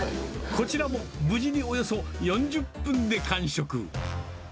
こちらも無事におよそ４０分で完食。